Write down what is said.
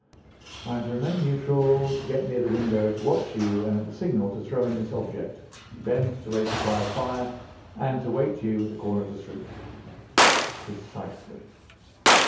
"I am to remain neutral, to get near the window, to watch you, and at the signal to throw in this object, then to raise the cry of fire, and to wait you at the corner of the street." "Precisely."